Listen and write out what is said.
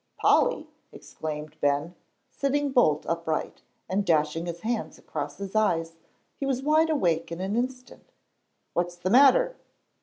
"Polly!" exclaimed Ben, sitting bolt upright, and, dashing his hands across his eyes, he was wide awake in an instant. "What's the matter?"